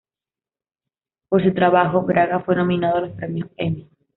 Por su trabajo Braga fue nominado a los premios Emmy.